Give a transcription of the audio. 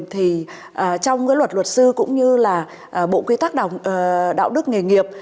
thì trong cái luật luật sư cũng như là bộ quy tắc đạo đức nghề nghiệp